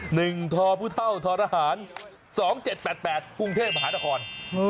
หนึ่งทอผู้เท่าทอดอาหาร๒๗๘๘ภูมิเทพฯมหาดตะคร